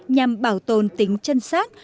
nhằm bảo tồn tính chân xác